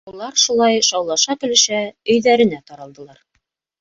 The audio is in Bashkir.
Улар шулай шаулаша-көлөшә өйҙәренә таралдылар.